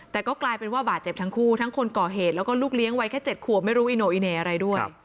แต่ก็กลายเป็นว่าบาดเจ็บทั้งคู่ทั้งคนก่อเหตุแล้วก็ลูกเลี้ยงวัยแค่๗ขวบไม่รู้อิโนอิเน่อะไรด้วย